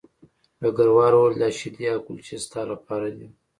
ډګروال وویل دا شیدې او کلچې ستا لپاره دي